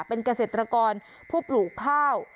เป็นเกษตรกรผู้ปลูกข้าว